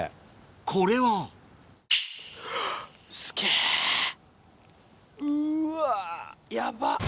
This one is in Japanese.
これはうわヤバっ！